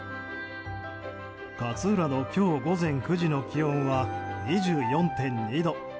勝浦の今日午前９時の気温は２４．２度。